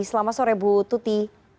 selamat sore bu tuti